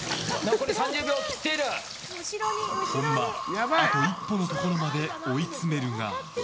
本間、あと一歩のところまで追いつめるが。